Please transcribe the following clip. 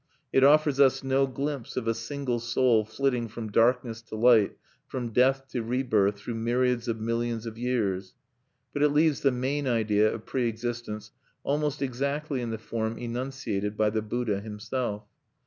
It offers us no glimpse of a single soul flitting from darkness to light, from death to rebirth, through myriads of millions of years; but it leaves the main idea of pre existence almost exactly in the form enunciated by the Buddha himself.